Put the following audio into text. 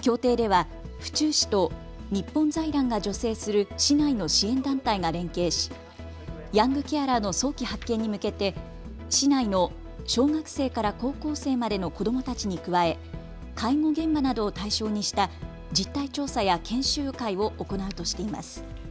協定では府中市と日本財団が助成する市内の支援団体が連携しヤングケアラーの早期発見に向けて市内の小学生から高校生までの子どもたちに加え介護現場などを対象にした実態調査や研修会を行うとしています。